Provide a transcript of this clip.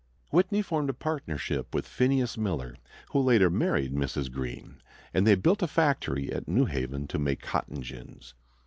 Whitney formed a partnership with Phineas Miller, who later married Mrs. Greene, and they built a factory at New Haven to make cotton gins.